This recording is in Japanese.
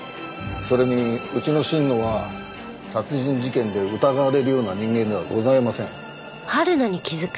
それにうちの新野は殺人事件で疑われるような人間ではございません。